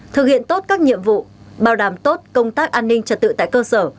thực hiện tốt các nhiệm vụ bảo đảm tốt công tác an ninh trật tự tại cơ sở